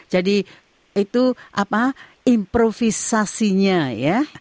jadi itu improvisasinya ya